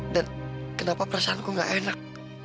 dan kenapa perasaanku gak enak